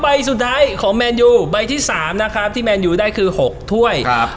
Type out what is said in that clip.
ใบสุดท้ายของแมนยูใบที่๓นะครับที่แมนยูได้คือ๖ถ้วยครับ